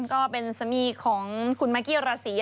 ก็เป็นสามีของคุณมากกี้ราศี